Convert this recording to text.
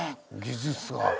技術が。